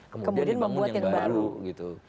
kemudian dibangun yang baru